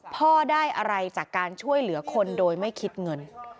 พ่อได้อะไรจากการช่วยเหลือคนโดยไม่คิดเงิน